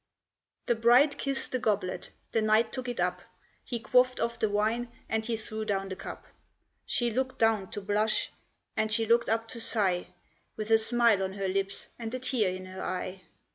The bride kissed the goblet; the knight took it up, He quaffed off the wine, and he threw down the cup. She looked down to blush, and she looked up to sigh, With a smile on her lips, and a tear in her eye.